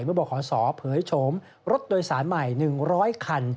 เมื่อบขศเผยโฉมรถโดยสารใหม่๑๐๐คัน